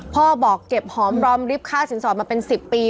พ่อบอกเก็บหอมพร้อมริบค่าสินสอดมาเป็น๑๐ปี